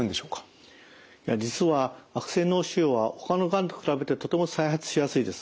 いや実は悪性脳腫瘍はほかのがんと比べてとても再発しやすいです。